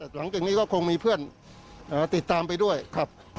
หลังจากนี้ก็คงมีเพื่อนติดตามไปด้วยครับ